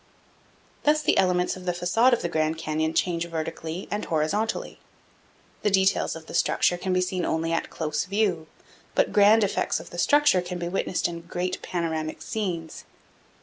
Thus the elements of the facade of the Grand Canyon change vertically and horizontally. The details of structure can be seen only at close view, but grand effects of structure can be witnessed in great panoramic scenes.